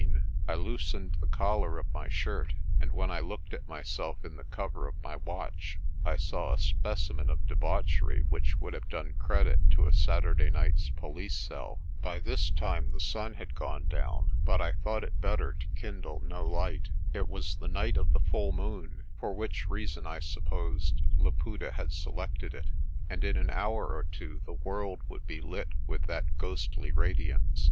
I loosened the collar of my shirt, and when I looked at my self in the cover of my watch I saw a specimen of debauch ery which would have done credit to a Saturday night's po lice cell. By this time the sun had gone down, but I thought it better THE STORE AT UMVELOS' 117 to kindle no light. It was the night of the full moon for which reason, I supposed, Laputa had selected it and in an hour or two the world would be lit with that ghostly radiance.